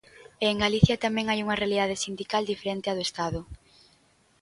E en Galicia tamén hai unha realidade sindical diferente á do Estado.